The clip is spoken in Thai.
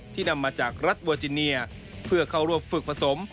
ที่นำมาจากรัฐบัวจีเนียเพื่อเข้ารวบฝึกผสม